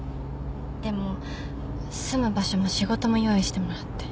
でも住む場所も仕事も用意してもらって